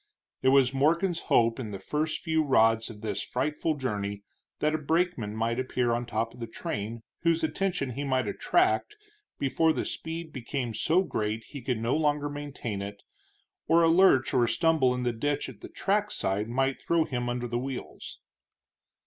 It was Morgan's hope in the first few rods of this frightful journey that a brakeman might appear on top of the train, whose attention he might attract before the speed became so great he could no longer maintain it, or a lurch or a stumble in the ditch at the trackside might throw him under the wheels.